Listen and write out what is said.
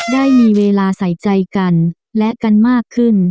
ได้มีเวลาใส่ใจกันและกันมากขึ้น